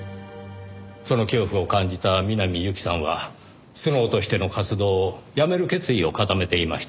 その恐怖を感じた南侑希さんはスノウとしての活動をやめる決意を固めていました。